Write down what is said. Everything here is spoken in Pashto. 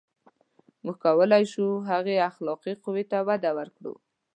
• موږ کولای شو، هغې اخلاقي قوې ته وده ورکړو.